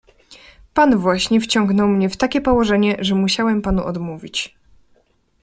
"Pan właśnie wciągnął mnie w takie położenie, że musiałem panu odmówić."